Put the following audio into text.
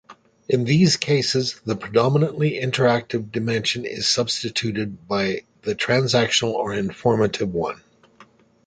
In these cases, the predominantly interactive dimension is substituted by the transactional or informative one.